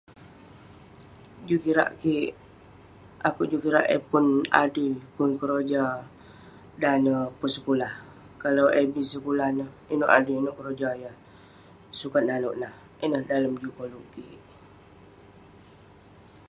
Juk kirak kik..akouk juk kirak eh pun adui, pun keroja, dan neh pun sekulah..kalau eh bi sekulah neh, inouk adui, inouk keroja yah sukat nanouk nah..ineh dalem juk koluk kik..